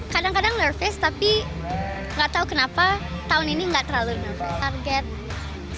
kadang kadang nervous tapi gak tau kenapa tahun ini gak terlalu nervous